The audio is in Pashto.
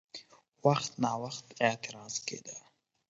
وخت ناوخت اعتراض کېده؛